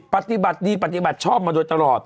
ปฏิบัติดีปฏิบัติชอบมาโดยตลอด